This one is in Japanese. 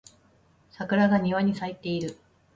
桜が庭に咲いている